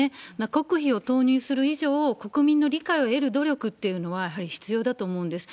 国費を投入する以上、国民の理解を得る努力っていうのは、やはり必要だと思うんです。